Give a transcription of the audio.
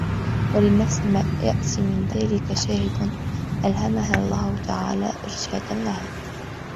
وَلِلنَّفْسِ عَلَى مَا يَأْتِي مِنْ ذَلِكَ شَاهِدٌ أَلْهَمَهَا اللَّهُ تَعَالَى إرْشَادًا لَهَا